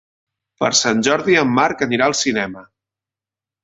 Per Sant Jordi en Marc anirà al cinema.